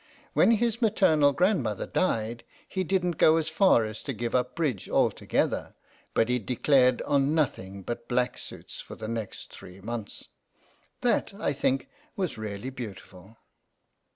When his maternal grandmother died he didn't go as far as to give up bridge alto 6 REGINALD IN RUSSIA gether, but he declared on nothing but black suits for the next three months. That, I think, was really beautiful."